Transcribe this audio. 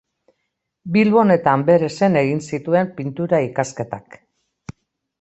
Bilbon eta Anberesen egin zituen Pintura ikasketak.